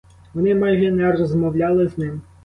Вони майже не розмовляли з ним.